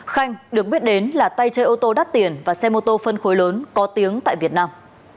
khanh được biết đến là tay chơi ô tô đắt tiền và xe mô tô phân khối lớn có tiếng tại việt nam